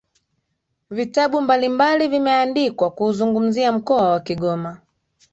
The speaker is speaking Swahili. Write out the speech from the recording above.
vitabu mbalimbali vimeandikwa kuuzungumzia mkoa wa Kigoma